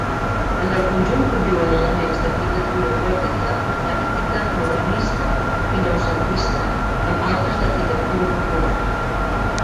En el conjunt conviuen elements d'arquitectura gòtica, eclèctica, modernista i noucentista amb altres d'arquitectura popular.